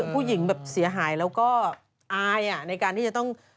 ผู้หญิงแบบเสียหายแล้วก็อายในการที่จะต้อง